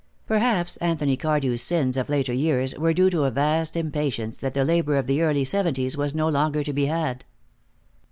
Perhaps Anthony Cardew's sins of later years were due to a vast impatience that the labor of the early seventies was no longer to be had.